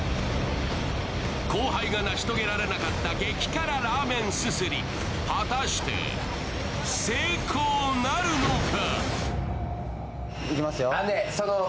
後輩が成し遂げられなかった激辛ラーメンすすり、果たして成功なるのか。